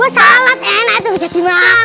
wah sanlat enak tuh bisa dimakan